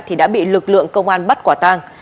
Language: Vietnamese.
thì đã bị lực lượng công an bắt quả tang